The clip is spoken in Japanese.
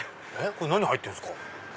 何入ってんすか？